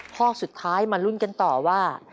ข้อสุดท้ายมาลุ้นกันต่อว่า